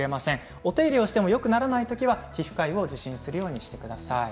お手入れをしても、よくならない場合は皮膚科医を受診するようにしてください。